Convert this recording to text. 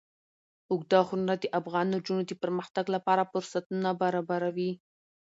اوږده غرونه د افغان نجونو د پرمختګ لپاره فرصتونه برابروي.